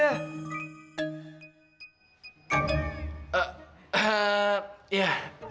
eh eh ya